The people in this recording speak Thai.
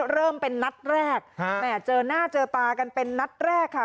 เริ่มเป็นนัดแรกแหม่เจอหน้าเจอตากันเป็นนัดแรกค่ะ